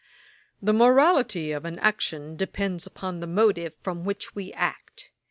] 'The morality of an action depends on the motive from which we act.